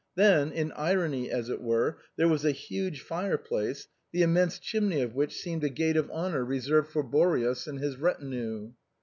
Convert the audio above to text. Then, in irony as it were, there was a huge fire place, the immense chimney of which seemed a gate of honor reserved for Boreas and his retinue.